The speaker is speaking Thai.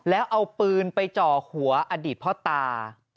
แล้วเอาปืนไปจ่อหัวอดีตพ่อตา